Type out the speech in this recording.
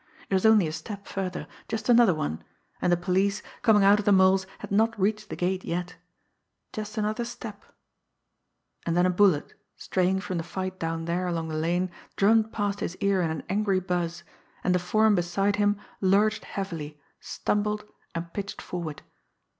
It was only a step further just another one and the police, coming out of the Mole's, had not reached the gate yet. Just another step and then a bullet, straying from the fight down there along the lane, drummed past his ear in an angry buzz and the form beside him lurched heavily, stumbled, and pitched forward.